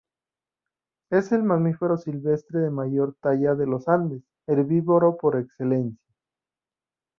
Es el mamífero silvestre de mayor talla de los Andes, herbívoro por excelencia.